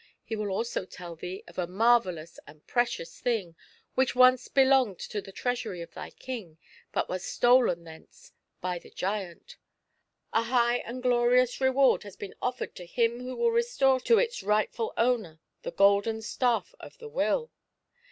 He will also tell thee of a marvellous and precious thing, which once belonged to the treasury of thy King, but was stolen thence by the giant. A high and glorious reward has been offered to him who will restore to its rightful owner the golden staff of the Will.